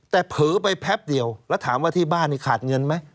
แต่เผลอไปแพ็บเดียวแล้วถามว่าที่บ้านนี่ขาดเงินไหม